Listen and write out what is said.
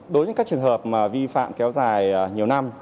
đối với các trường hợp vi phạm kéo dài nhiều năm